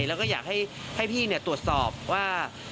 อยากให้พี่ตรวจสอบว่า